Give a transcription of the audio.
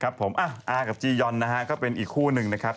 ครับผมอากับจียอนนะฮะก็เป็นอีกคู่หนึ่งนะครับ